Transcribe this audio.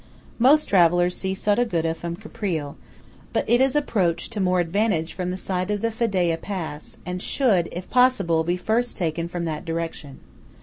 Most travellers see Sottoguda from Caprile; but it is approached to more advantage from the side of the Fedaya pass, and should, if possible, be first taken from that direction.